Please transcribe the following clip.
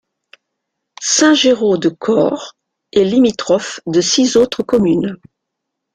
Saint-Géraud-de-Corps est limitrophe de six autres communes.